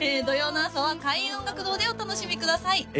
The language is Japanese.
土曜の朝は開運音楽堂でお楽しみください